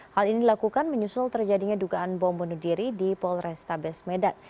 hal ini dilakukan menyusul terjadinya dugaan bom bunuh diri di polrestabes medan